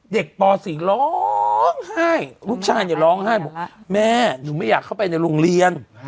ป๔ร้องไห้ลูกชายเนี่ยร้องไห้บอกแม่หนูไม่อยากเข้าไปในโรงเรียน